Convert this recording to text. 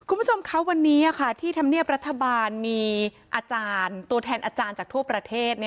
คุณผู้ชมคะวันนี้ที่ธรรมเนียบรัฐบาลมีอาจารย์ตัวแทนอาจารย์จากทั่วประเทศ